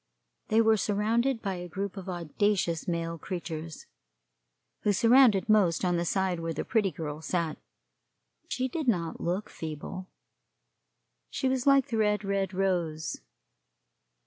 They were surrounded by a group of audacious male creatures, who surrounded most on the side where the Pretty Girl sat. She did not look feeble. She was like the red, red rose.